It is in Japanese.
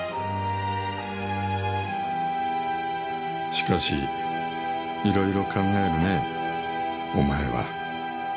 しかしいろいろ考えるねぇお前は。